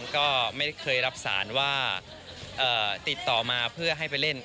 ก็ไม่เคยรับสารว่าติดต่อมาเพื่อให้ไปเล่น